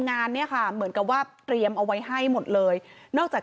งานเนี่ยค่ะเหมือนกับว่าเตรียมเอาไว้ให้หมดเลยนอกจาก